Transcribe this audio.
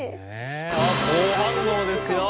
好反応ですよ。